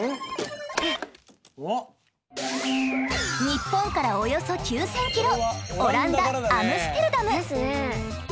ニッポンからおよそ９，０００ｋｍオランダアムステルダム。